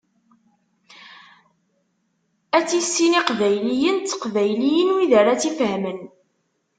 Ad tissin iqbayliyen d teqbayliyin wid ara tt-ifehmen.